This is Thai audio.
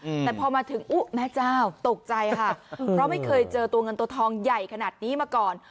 อืมแต่พอมาถึงอุ๊แม่เจ้าตกใจค่ะเพราะไม่เคยเจอตัวเงินตัวทองใหญ่ขนาดนี้มาก่อน